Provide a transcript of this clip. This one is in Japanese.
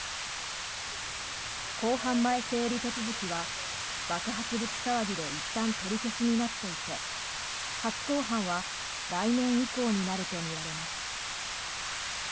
公判前整理手続きは爆発物騒ぎでいったん取り消しになっていて初公判は来年以降になるとみられます。